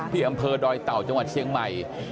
ที่อำเภอดอยเต่าจังหวัดเชียงใหม่